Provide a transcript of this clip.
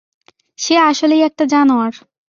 সে আসলেই একটা জানোয়ার।